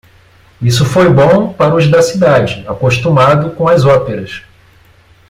Isso foi bom para os da cidade, acostumados com as óperas.